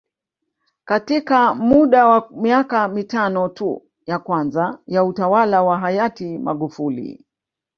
Katika muda wa miaka mitano tu ya kwanza ya utawala wa hayati Magufuli